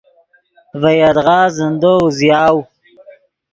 ڤے یدغا زندو اوزیاؤ.